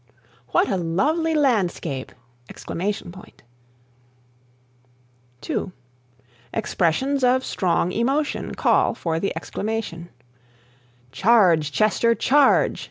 "What a lovely landscape!" (2) Expressions of strong emotion call for the exclamation: "Charge, Chester, charge!